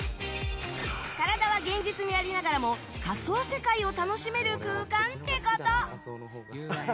体は現実にありながらも仮想世界を楽しめる空間ってこと！